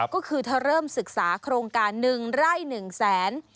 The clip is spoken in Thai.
ก็คือเธอเริ่มศึกษาโครงการ๑ไร่๑แสน